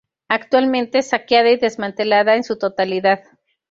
Actualmente, saqueada y desmantelada en su totalidad.